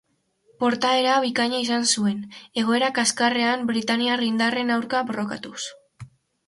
Portaera bikaina izan zuen, egoera kaskarrean britainiar indarren aurka borrokatuz.